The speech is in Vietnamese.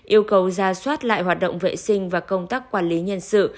yêu cầu ra soát lại hoạt động vệ sinh và công tác quản lý nhân sự